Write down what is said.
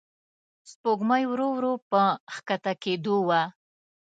سپوږمۍ ورو ورو په کښته کېدو وه.